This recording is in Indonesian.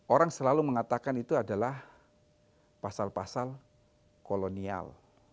orang selalu mengatakan itu adalah pasal pasal kolonial